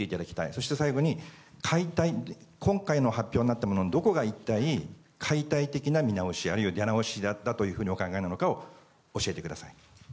そして最後に今回の発表になったもののどこが解体的な見直しあるいは出直しだとお考えなのかを教えてください。